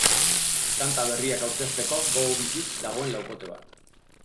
Kanta berriak aurkezteko gogo biziz dagoen laukote bat.